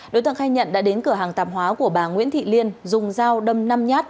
đối tượng khai nhận đã đến cửa hàng tạp hóa của bà nguyễn thị liên dùng dao đâm năm nhát